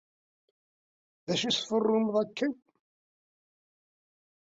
D acu tesfurrumeḍ akken?